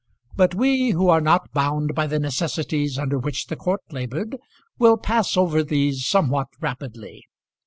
But we, who are not bound by the necessities under which the court laboured, will pass over these somewhat rapidly.